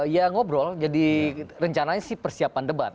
ya ngobrol jadi rencananya sih persiapan debat